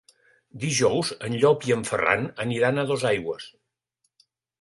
Dijous en Llop i en Ferran aniran a Dosaigües.